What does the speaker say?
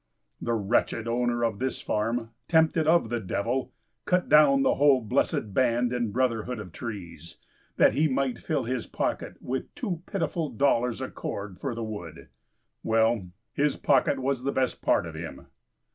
The wretched owner of this farm, tempted of the devil, cut down the whole blessed band and brotherhood of trees, that he might fill his pocket with two pitiful dollars a cord for the wood! Well, his pocket was the best part of him.